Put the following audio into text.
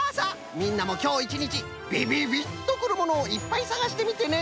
みんなもきょういちにちビビビッとくるものをいっぱいさがしてみてね！